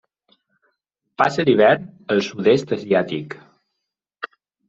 Passa l'hivern al Sud-est asiàtic.